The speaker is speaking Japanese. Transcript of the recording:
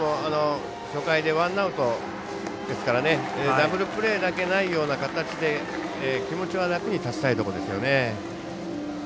初回でワンアウトですからダブルプレーだけないような形で気持ちは楽に立ちたいところですよね。